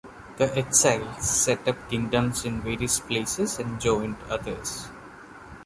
The Exiles set up kingdoms in various places and joined others.